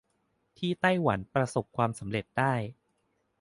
ที่ไต้หวันประสบความสำเร็จได้